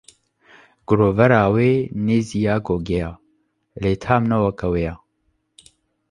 Girovera wê nêzî ya gogê ye, lê tam ne weke wê ye.